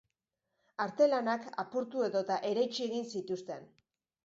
Artelanak apurtu edota eraitsi egin zituzten.